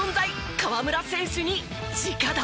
河村選手に直談判！